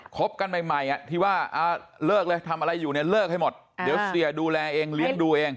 บกันใหม่ที่ว่าเลิกเลยทำอะไรอยู่เนี่ยเลิกให้หมดเดี๋ยวเสียดูแลเองเลี้ยงดูเอง